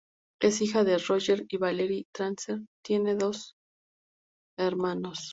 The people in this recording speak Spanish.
Es hija de Roger y Valerie Thrasher y tiene dos hermanos.